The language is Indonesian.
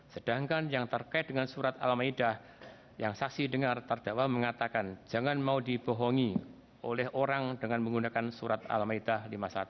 sedangkan yang terkait dengan surat al ma'idah yang saksi dengar terdakwa mengatakan jangan mau dibohongi oleh orang dengan menggunakan surat al ma'idah lima ratus lima puluh delapan